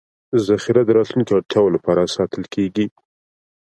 ذخیره د راتلونکو اړتیاوو لپاره ساتل کېږي.